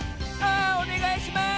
あおねがいします！